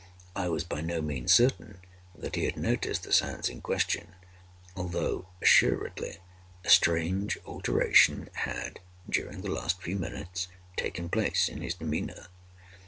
I was by no means certain that he had noticed the sounds in question; although, assuredly, a strange alteration had, during the last few minutes, taken place in his demeanor.